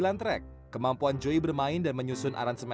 dan juga sangat baik bergurang dengan orang yang sama